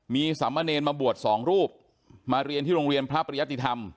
มีสามเณรมาบวชสองรูปมาเรียนที่โรงเรียนพระปริยติธรรม